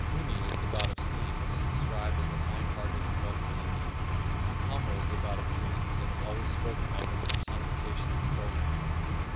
Uni is the god of sleep, and is described as a kind hearted and welcome deity. Untamo is the god of dreams, and is always spoken of as the personification of indolence.